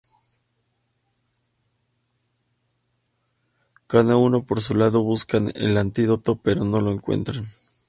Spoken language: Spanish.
Cada uno por su lado buscan el antídoto, pero no lo encuentran.